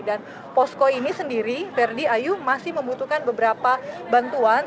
dan posko ini sendiri ferdi ayu masih membutuhkan beberapa bantuan